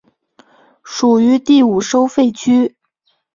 属于第五收费区。